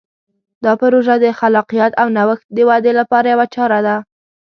دا پروژه د خلاقیت او نوښت د ودې لپاره یوه چاره ده.